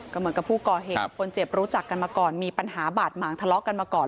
ก็เหมือนกับผู้ก่อเหตุกับคนเจ็บรู้จักกันมาก่อนมีปัญหาบาดหมางทะเลาะกันมาก่อน